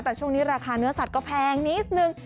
แต่ช่วงนี้ราคาเนื้อสัตว์ก็แพงนิดนึง